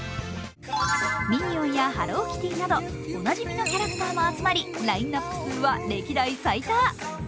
ミニオンやハローキティなどおなじみのキャラクターも集まりラインナップ数は歴代最多。